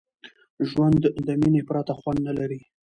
ژوند د میني پرته خوند نه لري.